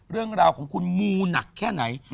เรื่องราวของคุณมูหนักแค่ไหน